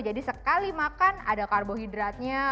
jadi sekali makan ada karbohidratnya